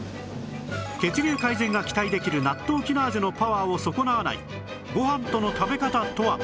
血流改善が期待できるナットウキナーゼのパワーを損なわないご飯との食べ方とは？